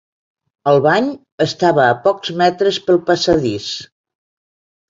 El bany estava a pocs metres pel passadís.